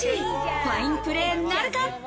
ファインプレーなるか？